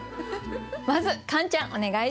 まずカンちゃんお願いします。